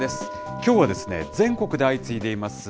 きょうは全国で相次いでいます